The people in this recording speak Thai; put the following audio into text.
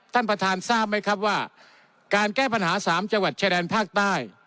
ท่านประธานทราบไหมครับว่าการแก้ปัญหา๓จังหวัดชายแดนภาคใต้